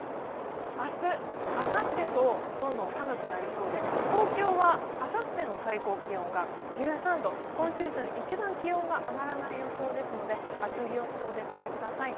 明日、あさってと、どんどん寒くなりそうで東京はあさっての最高気温が１３度、今シーズン一番気温が上がらない予想なので厚着をしてお出かけください。